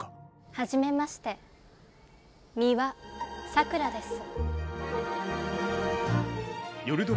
はじめまして美羽さくらです。